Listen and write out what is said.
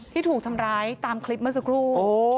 ที่ถูกทำร้ายตามคลิปเมื่อสักครู่